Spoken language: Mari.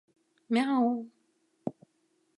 — Мяу!